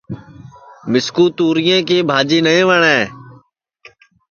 مِسکُو توریں کی بھاجی نائی وٹؔیں